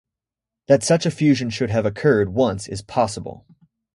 That such a fusion should have occurred once is possible.